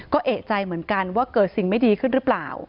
ก็เอกใจเหมือนกันว่าเกิดสิ่งไม่ดีขึ้นหรือเปล่า